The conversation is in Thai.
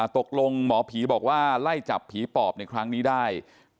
ตกลงหมอผีบอกว่าไล่จับผีปอบในครั้งนี้ได้